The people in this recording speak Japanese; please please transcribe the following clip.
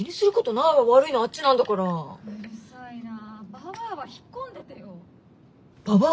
ババアは引っ込んでてよ！